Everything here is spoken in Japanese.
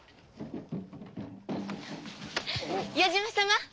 矢島様！